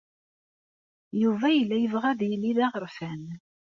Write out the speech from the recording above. Yuba yella yebɣa ad yili d aɣerfan.